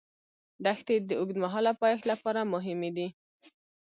دښتې د اوږدمهاله پایښت لپاره مهمې دي.